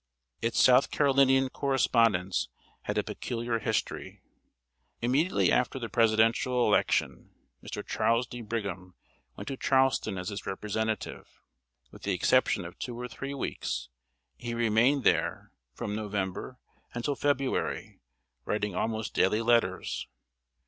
Its South Carolinian correspondence had a peculiar history. Immediately after the Presidential election, Mr. Charles D. Brigham went to Charleston as its representative. With the exception of two or three weeks, he remained there from November until February, writing almost daily letters.